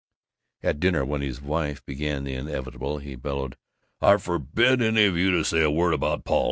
At dinner, when his wife began the inevitable, he bellowed, "I forbid any of you to say a word about Paul!